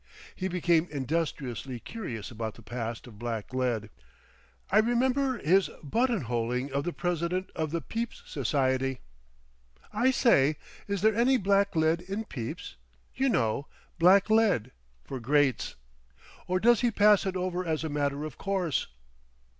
He became industriously curious about the past of black lead. I remember his button holing the president of the Pepys Society. "I say, is there any black lead in Pepys? You know—black lead—for grates! _Or does he pass it over as a matter of course?